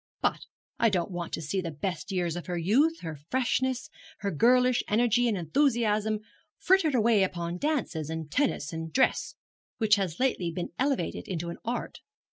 But I don't want to see the best years of her youth, her freshness, her girlish energy and enthusiasm, frittered away upon dances, and tennis, and dress, which has lately been elevated into an art.